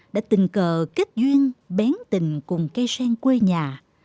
đã tình cờ kết duyên bén tình cùng cây sen quê nhà